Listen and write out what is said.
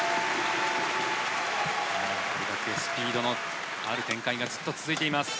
スピードのある展開がずっと続いています。